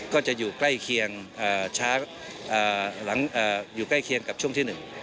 ก็จะอยู่ใกล้เคียงช้าหลังอยู่ใกล้เคียงกับช่วงที่๑